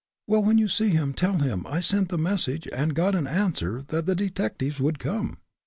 "Well, when you see him, tell him I sent the message, and got an answer that the detectives would come."